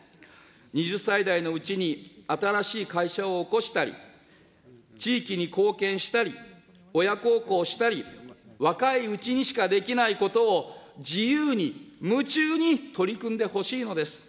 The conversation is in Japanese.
２０歳代のうちに新しい会社を興したり、地域に貢献したり、親孝行したり、若いうちにしかできないことを、自由に、夢中に取り組んでほしいのです。